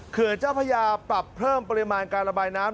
เขื่อนเจ้าพระยาปรับเพิ่มปริมาณการระบายน้ำ